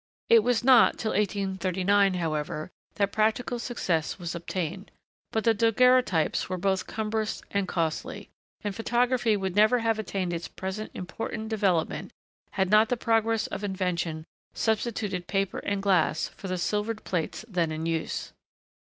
It was not till 1839, however, that practical success was obtained; but the 'daguerreotypes' were both cumbrous and costly, and photography would never have attained its present important development had not the progress of invention substituted paper and glass for the silvered plates then in use.